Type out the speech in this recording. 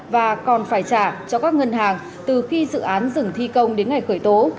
và còn phải trả cho các ngân hàng từ khi dự án dừng thi công đến ngày khởi tố